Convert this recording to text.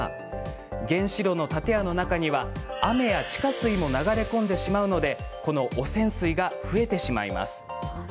原子炉の建屋の中には雨や地下水も流れ込んでしまうので汚染水が増えてしまいます。